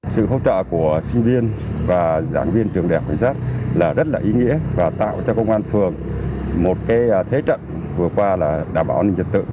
sự hỗ trợ của sinh viên và giảng viên trường đhcn là rất là ý nghĩa và tạo cho công an thường một thế trận vừa qua là đảm bảo an ninh trật tự